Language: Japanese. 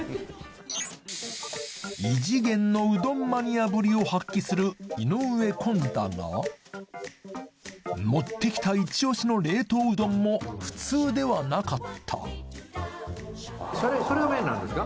異次元のうどんマニアぶりを発揮する井上こんだが持ってきたイチオシの冷凍うどんも普通ではなかった麺です。